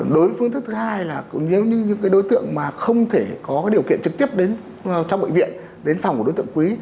đối với phương thức thứ hai là nếu như những đối tượng mà không thể có điều kiện trực tiếp đến trong bệnh viện đến phòng của đối tượng quý